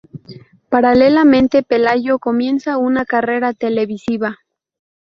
Paralelamente, Pelayo comienza una carrera televisiva.